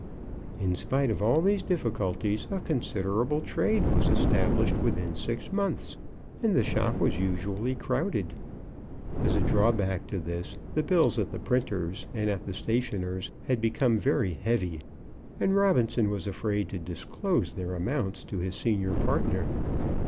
In spite of all these difficulties a considerable trade was established within six months, and the shop was usually crowded. As a drawback to this, the bills at the printer's and at the stationer's had become very heavy, and Robinson was afraid to disclose their amount to his senior partner.